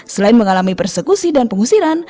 selain mengalami persekusi dan pengusiran